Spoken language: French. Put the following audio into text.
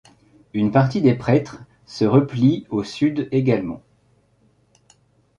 Une partie des prêtres se replie au sud également.